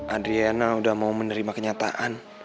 adriana udah mau menerima kenyataan